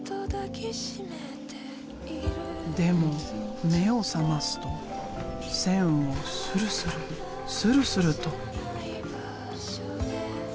でも目を覚ますと線をスルスルスルスルと。